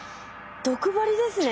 毒針ですね。